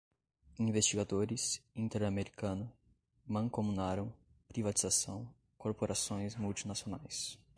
investigadores, interamericana, mancomunaram, privatização, corporações multinacionais